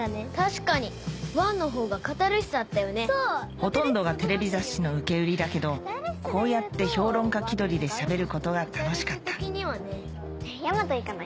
ほとんどがテレビ雑誌の受け売りだけどこうやって評論家気取りで喋ることが楽しかったヤマト行かない？